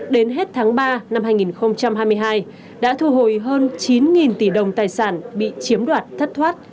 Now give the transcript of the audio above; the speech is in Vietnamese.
đến hết tháng ba năm hai nghìn hai mươi hai đã thu hồi hơn chín tỷ đồng tài sản bị chiếm đoạt thất thoát